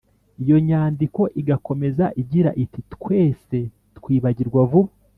iyo nyandiko igakomeza igira iti: “twese twibagirwa vuba.